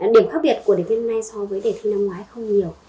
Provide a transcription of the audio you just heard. điểm khác biệt của đề thi nay so với đề thi năm ngoái không nhiều